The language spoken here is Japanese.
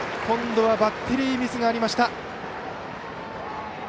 今度はバッテリーミスがありました。